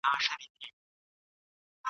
د علم زده کړه عبادت دئ.